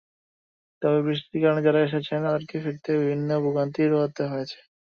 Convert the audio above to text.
তবে বৃষ্টির কারণে যাঁরা এসেছেন তাঁদের ফিরতে বিভিন্ন ভোগান্তি পোহাতে হয়েছে।